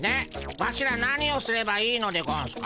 わしら何をすればいいのでゴンスか？